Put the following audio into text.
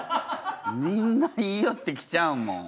みんな言いよってきちゃうもん。